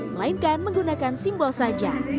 melainkan menggunakan simbol saja